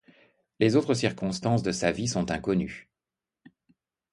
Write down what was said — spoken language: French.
Les autres circonstances de sa vie sont inconnues.